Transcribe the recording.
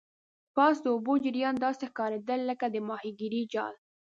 پاس د اوبو جریان داسې ښکاریدل لکه د ماهیګرۍ جال.